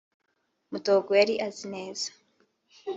mudogo yari azi neza